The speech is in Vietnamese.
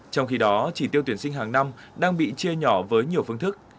trong khi đó chỉ tiêu tuyển sinh hàng năm đang bị chia nhỏ với nhiều phương thức